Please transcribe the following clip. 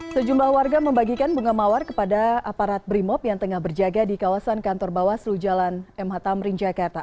sejumlah warga membagikan bunga mawar kepada aparat brimob yang tengah berjaga di kawasan kantor bawaslu jalan mh tamrin jakarta